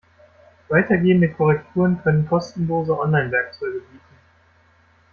Weitergehende Korrekturen können kostenlose Online-Werkzeuge bieten.